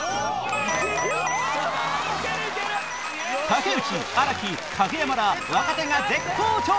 竹内新木影山ら若手が絶好調！